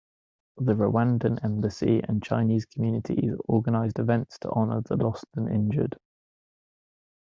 The Rwandan embassy and Chinese communities organized events to honor the lost and injured.